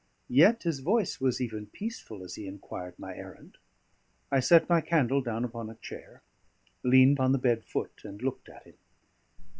Yet his voice was even peaceful as he inquired my errand. I set my candle down upon a chair, leaned on the bed foot, and looked at him.